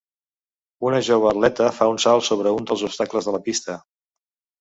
Una jove atleta fa un salt sobre un dels obstacles de la pista.